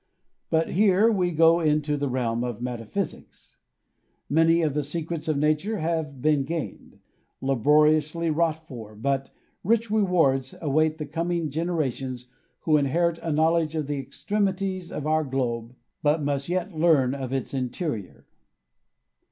But here we go into the realm of metaphysics. Many of the secrets of nature have been gained, laboriously wrought for, but rich rewards await the coming generations who inherit a knowledge of the extremities of our globe but must yet learn of its interior.